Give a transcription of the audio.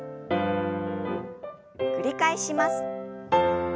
繰り返します。